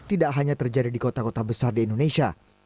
tidak hanya terjadi di kota kota besar di indonesia